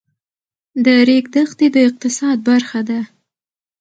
د ریګ دښتې د اقتصاد برخه ده.